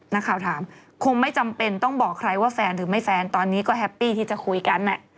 นักข่าวถามคงไม่จำเป็นต้องบอกใครว่าแฟนหรือไม่แฟนตอนนี้ก็แฮปปี้ที่จะคุยกัน